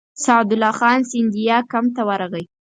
سعدالله خان سیندیا کمپ ته ورغی.